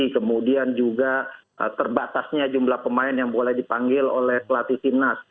kemudian juga terbatasnya jumlah pemain yang boleh dipanggil oleh klatis tim nas